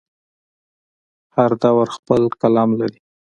هر دور خپل قلم لري.